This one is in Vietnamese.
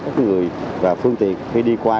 các người và phương tiện khi đi qua